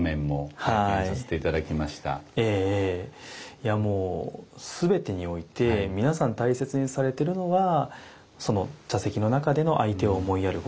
いやもう全てにおいて皆さん大切にされてるのは茶席の中での相手を思いやる心